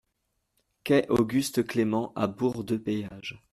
Quai Auguste Clément à Bourg-de-Péage